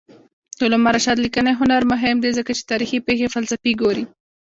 د علامه رشاد لیکنی هنر مهم دی ځکه چې تاریخي پېښې فلسفي ګوري.